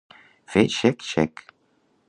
Fer xec, xec.